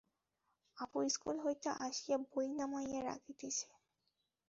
Apu school হইতে আসিয়া বই নামাইয়া রাখিতেছে।